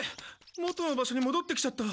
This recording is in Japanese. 元の場所にもどってきちゃった。